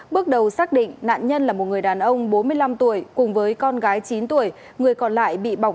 bước đầu xác định nạn nhân là một người đàn ông bốn mươi năm tuổi cùng với con gái chín tuổi